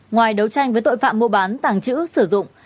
ngoài đấu tranh với tội phạm mua bán tàng trữ sử dụng